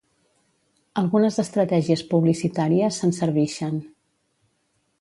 Algunes estratègies publicitàries se'n servixen.